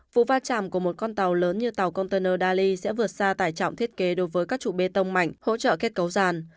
vụ va chạm của một con tàu lớn như tàu container dali sẽ vượt xa tải trọng thiết kế đối với các trụ bê tông mạnh hỗ trợ kết cấu ràn